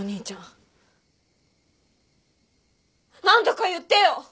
何とか言ってよ！